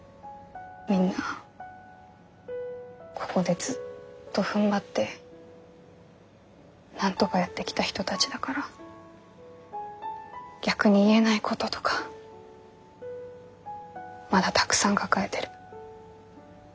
みんなここでずっとふんばってなんとかやってきた人たちだから逆に言えないこととかまだたくさん抱えてる。